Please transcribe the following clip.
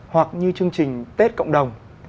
hoặc như chương trình tết cộng đồng